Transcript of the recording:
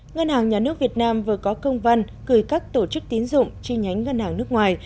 ngân hàng nhà nước việt nam vừa có công văn gửi các tổ chức tín dụng chi nhánh ngân hàng nước ngoài